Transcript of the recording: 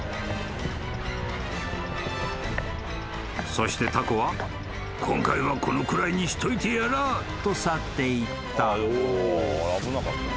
［そしてタコは今回はこのくらいにしといてやらあと去っていった］